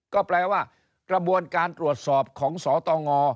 ก็แปลว่ากระบวนการตรวจสอบของสตง